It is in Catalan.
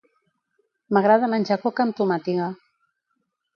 M'agrada menjar coca amb tomàtiga